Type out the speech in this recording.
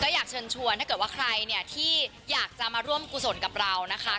อยากเชิญชวนถ้าเกิดว่าใครเนี่ยที่อยากจะมาร่วมกุศลกับเรานะคะ